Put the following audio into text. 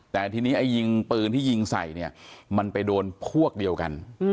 แต่ทีนี้ไอ้ยิงปืนที่ยิงใส่เนี่ยมันไปโดนพวกเดียวกัน